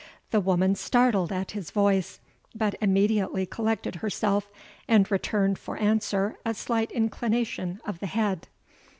The woman started at his voice, but immediately collected herself and returned for answer a slight inclination of the head.